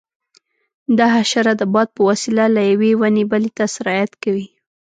دا حشره د باد په وسیله له یوې ونې بلې ته سرایت کوي.